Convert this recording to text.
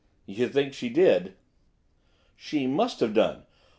'You think she did?' 'She must have done.